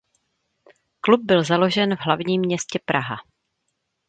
Klub byl založen v hlavním městě Praha.